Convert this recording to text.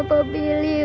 maafin bapak pilih pak